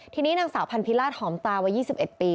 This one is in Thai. ทีนี้นางสาวพันธิราชหอมตาวัย๒๑ปี